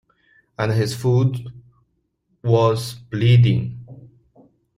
And his foot was bleeding.